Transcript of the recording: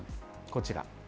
こちら。